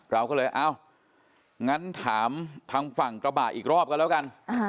เราก็เลยเอ้างั้นถามทางฝั่งกระบะอีกรอบกันแล้วกัน